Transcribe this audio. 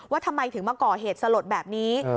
ทำไมถึงมาก่อเหตุสลดแบบนี้